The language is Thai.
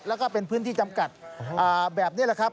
แล้วก็เป็นพื้นที่จำกัดแบบนี้แหละครับ